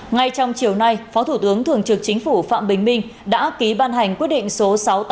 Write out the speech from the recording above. ngay trong chiều nay phó thủ tướng thường trực chính phủ phạm bình minh đã ký ban hành quyết định số sáu trăm tám mươi tám